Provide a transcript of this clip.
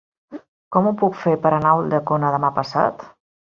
Com ho puc fer per anar a Ulldecona demà passat?